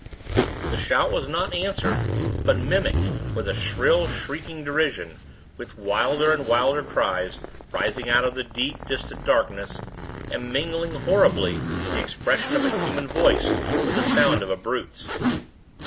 The shout was not answered, but mimicked with a shrill, shrieking derision, with wilder and wilder cries, rising out of the deep distant darkness, and mingling horribly the expression of a human voice with the sound of a brute's.